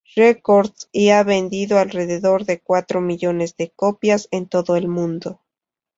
Records y ha vendido alrededor de cuatro millones de copias en todo el mundo.